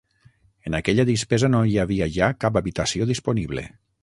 En aquella dispesa no hi havia ja cap habitació disponible.